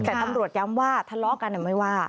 แต่ตำรวจย้ำว่าทะเลาะกันไม่ว่า